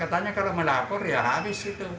karena katanya kalau melapor ya habis gitu